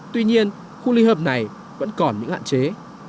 tuy nhiên khu ly hợp này vẫn còn những hạn chế